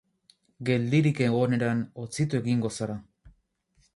Geldirik egoneran hotzitu egingo zara.